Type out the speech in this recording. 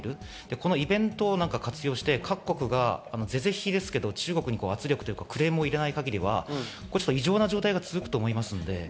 このイベントを活用して各国が是々非々ですけど、中国に圧力というかクレームを入れない限り、異常な状態が続くと思います。